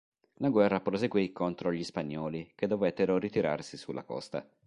La guerra proseguì contro gli Spagnoli, che dovettero ritirarsi sulla costa.